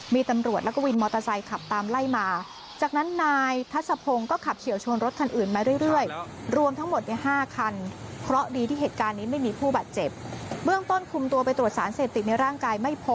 มีธรรมหลวดและกวินงอทแอร์ไซส์ขับตามไล่มา